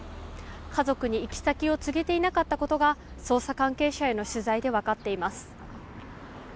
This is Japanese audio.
家族に行き先を告げていなかったことが捜査関係者への取材で分かっています。